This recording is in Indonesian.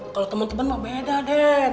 kalo temen temen mah beda den